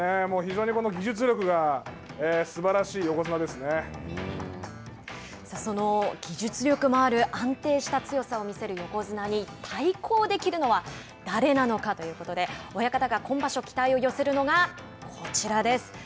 もう非常にこの技術力がすばらしいその技術力もある安定した強さを見せる横綱に対抗できるのは誰なのかということで親方が今場所、期待を寄せるのがこちらです。